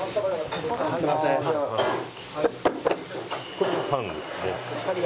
これが半ですね。